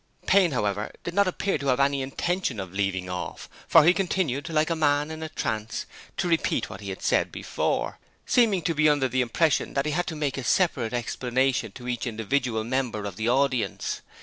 Payne, however, did not appear to have any intention of leaving off, for he continued, like a man in a trance, to repeat what he had said before, seeming to be under the impression that he had to make a separate explanation to each individual member of the audience.